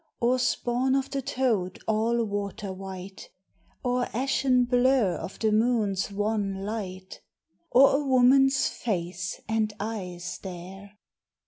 Or spawn of the toad all water white? Or ashen blur of the moon's wan light? Or a woman's face and eyes there?